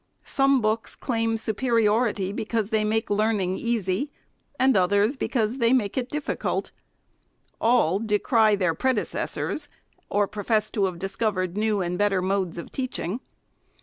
Some books claim superiority, because they make learning easy, and others because they make it difficult. All decry their predecessors, or profess to have discovered new and better modes of teaching.